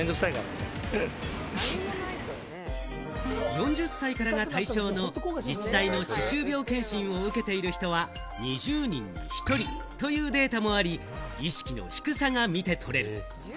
４０歳からが対象の自治体の歯周病検診を受けている人は２０人に１人というデータもあり、意識の低さが見て取れる。